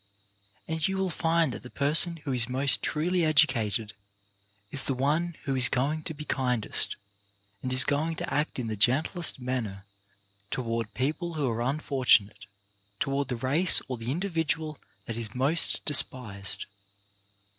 And you will find that the person who is most truly educated is the one who is going to be kindest, and is going to act in the gentlest manner toward persons who are unfortunate, to ward the race or the individual that is most de spised.